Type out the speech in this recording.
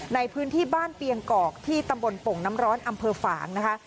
ในพื้นที่บ้านเปียงกอกที่ตำบลโป่งน้ำร้อนอำเภอฝางนะคะ